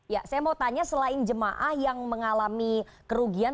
ya saya mau tanya selain jemaah yang mengalami kerugian